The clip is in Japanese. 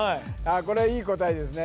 これいい答えですね